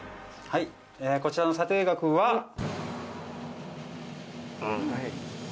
こちらの査定額は。